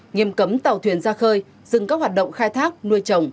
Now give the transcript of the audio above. nghiêm cấm tàu thuyền ra khơi dừng các hoạt động khai thác nuôi trồng